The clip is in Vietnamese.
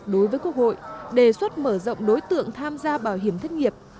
đối với quốc hội đề xuất mở rộng đối tượng tham gia bảo hiểm thất nghiệp